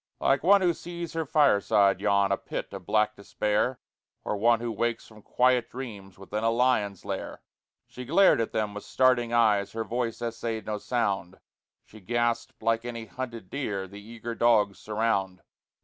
Like one who sees her fireside yawn, A pit of black despair, Or one who wakes from quiet dreams Within a lion's lair, She glared at them with starting eyes, Her voice essayed no sound; She gasped like any hunted deer The eager dogs surround.